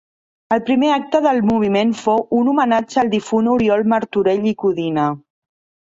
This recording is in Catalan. El primer acte del Moviment fou un homenatge al difunt Oriol Martorell i Codina.